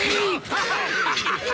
ハハハハハ！